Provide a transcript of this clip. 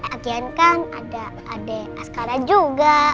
akhirnya kan ada adik askara juga